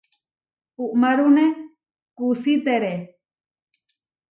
Uʼmárune kusítere.